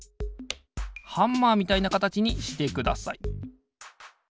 ハンマーみたいなかたちにしてください。